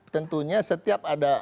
tentunya setiap ada